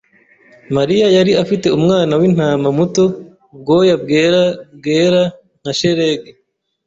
Mariya yari afite umwana w'intama muto ubwoya bwera bwera nka sheleg